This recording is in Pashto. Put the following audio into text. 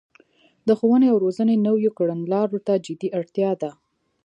د ښوونې او روزنې نويو کړنلارو ته جدي اړتیا ده